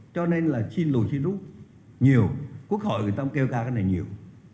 cho nên là xin lùi xin rút nhiều quốc hội người ta cũng kêu ca cái này nhiều